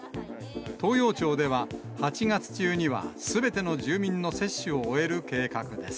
東洋町では、８月中にはすべての住民の接種を終える計画です。